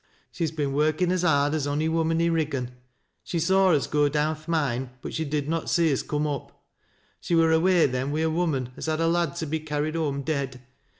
She's been workin' as hard as ony woman i' Kiggan. She saw us go down th' mine, but she did not see us come up. She wur away then wi' a woman as had a lad to be carried home dead.